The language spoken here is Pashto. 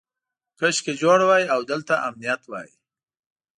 کاشکې جوړ وای او دلته امنیت وای.